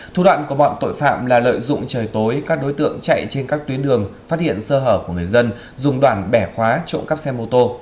thủ đoạn của bọn tội phạm là lợi dụng trời tối các đối tượng chạy trên các tuyến đường phát hiện sơ hở của người dân dùng đoàn bẻ khóa trộm cắp xe mô tô